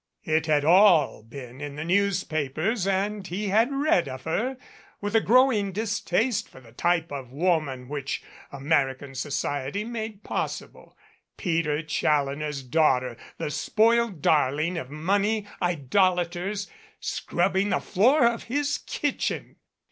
It had all been in the newspapers and he had read of her with a growing distaste for the type of woman which American society made possible. Peter Challoner's daughter, the spoiled darling of money idolaters, scrub bing the floor of his kitchen